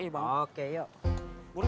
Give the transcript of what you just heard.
ini musimnya berapa